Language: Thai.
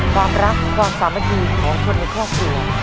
ความรักความสามัคคีของคนในครอบครัว